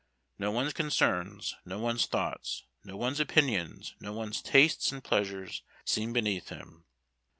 No one's concerns, no one's thoughts, no one's opinions, no one's tastes and pleasures seemed beneath him.